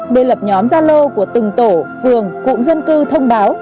biên lập nhóm gia lô của từng tổ phường cụm dân cư thông báo